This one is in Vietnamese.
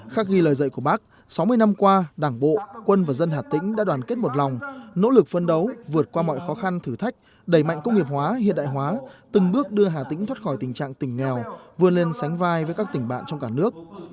khác ghi lời dạy của bác sáu mươi năm qua đảng bộ quân và dân hà tĩnh đã đoàn kết một lòng nỗ lực phân đấu vượt qua mọi khó khăn thử thách đẩy mạnh công nghiệp hóa hiện đại hóa từng bước đưa hà tĩnh thoát khỏi tình trạng tỉnh nghèo vươn lên sánh vai với các tỉnh bạn trong cả nước